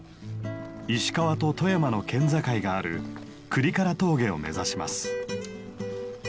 石川と富山の県境がある倶利伽羅峠を目指します。